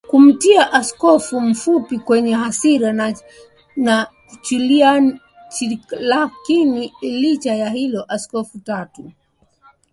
kumuita Askofu mfupi mwenye hasira na chukiLakini licha ya hilo Askofu Tutu anapendwa